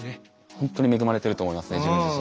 ほんとに恵まれてると思いますね自分自身。